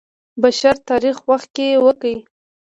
بشر تاریخ وخت کې وکړ.